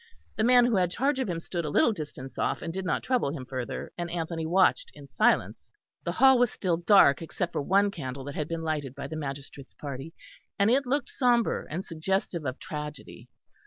The man who had charge of him stood a little distance off, and did not trouble him further, and Anthony watched in silence. The hall was still dark, except for one candle that had been lighted by the magistrate's party, and it looked sombre and suggestive of tragedy.